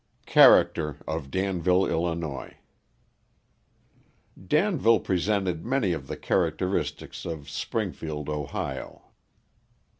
Character of Danville, Ill. Danville presented many of the characteristics of Springfield, O.